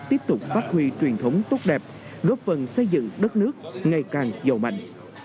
tiếp tục phát huy truyền thống tốt đẹp góp phần xây dựng đất nước ngày càng giàu mạnh